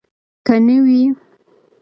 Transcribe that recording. که نه وي.